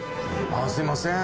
すいません